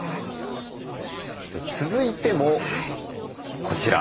続いてもこちら。